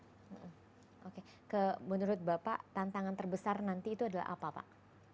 hmm oke menurut bapak tantangan terbesar nanti itu adalah apa pak